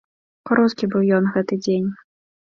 Кароткі быў ён, гэты дзень.